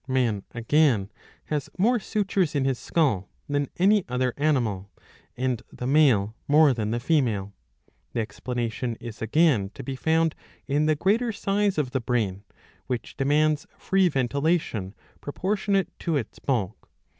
* Man, again, has more sutures in his skull than any other animal,^^ and the male more than the female.^^ The explanation is again to be found in the greater size of the brain, which demands free ventilation, proportionate to its bulk.